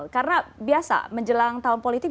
karena biasa menjelang tahun politik